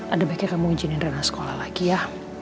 ada baiknya kamu izinin ranah sekolah lagi ya